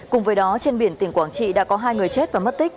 cùng với đó trên biển tỉnh quảng trị đã có hai người chết và mất tích